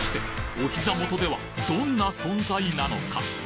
お膝元ではどんな存在なのか？